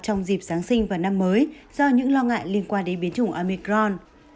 trong dịp giáng sinh và năm mới do những lo ngại liên quan đến biến chủng omicron